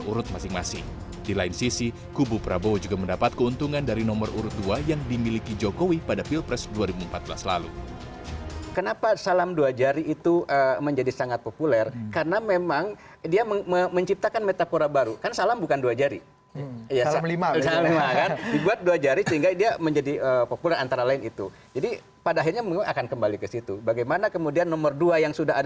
itu bisa dimainkan untuk menaikan sekaligus juga untuk membalik dua yang dulu